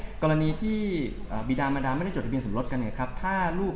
เพราะฉะนั้นกรณีที่บีดามมาดามไม่ได้จดทะเบียนสมรสกัน